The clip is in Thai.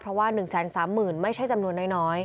เพราะว่า๑๓๐๐๐ไม่ใช่จำนวนน้อย